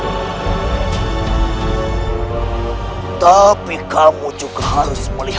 aku tidak mau kalah dengan mereka